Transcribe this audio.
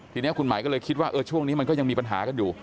ทีนี้คุณหมายก็เลยคิดว่าช่วงนี้มันก็ยังมีปัญหากันอยู่